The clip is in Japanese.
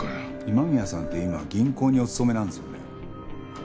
今宮さんって今銀行にお勤めなんですよね？